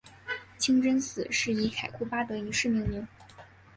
清真寺是以凯库巴德一世命名。